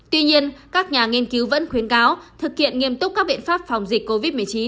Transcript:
tuy nhiên các nhà nghiên cứu vẫn khuyến cáo thực hiện nghiêm túc các biện pháp phòng dịch covid một mươi chín